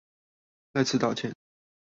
再次道歉